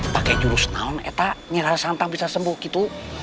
pakai jurus naun itu nyerah santang bisa sembuh gitu